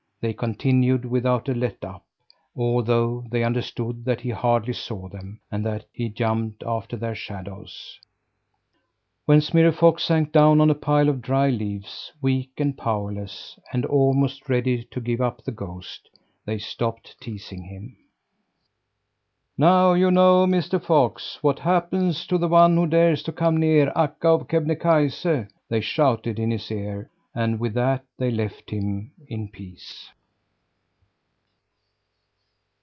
They continued without a let up, although they understood that he hardly saw them, and that he jumped after their shadows. When Smirre Fox sank down on a pile of dry leaves, weak and powerless and almost ready to give up the ghost, they stopped teasing him. "Now you know, Mr. Fox, what happens to the one who dares to come near Akka of Kebnekaise!" they shouted in his ear; and with that they left him in peace.